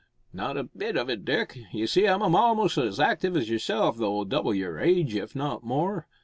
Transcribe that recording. "Not a bit of it, Dick. You see I'm a'most as active as yourself though double your age, if not more.